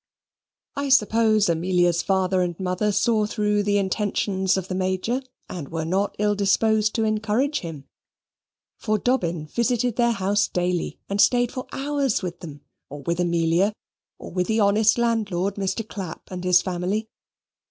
I suppose Amelia's father and mother saw through the intentions of the Major, and were not ill disposed to encourage him; for Dobbin visited their house daily, and stayed for hours with them, or with Amelia, or with the honest landlord, Mr. Clapp, and his family.